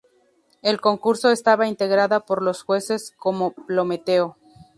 El concurso estaba integrada por los jueces como Pt.